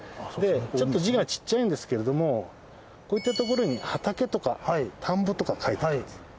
ちょっと字がちっちゃいんですけれどもこういった所に、畑とか田んぼとか書いてあるんです。